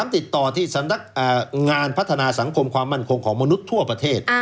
ติดต่อที่สำนักงานพัฒนาสังคมความมั่นคงของมนุษย์ทั่วประเทศ